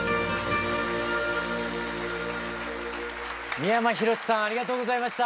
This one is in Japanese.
三山ひろしさんありがとうございました。